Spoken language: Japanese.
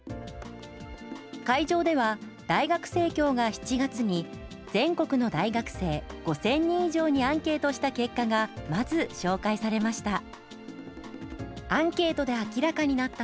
会場では、大学生協が７月に全国の大学生５０００人以上にアンケートした結果がまず紹介されました。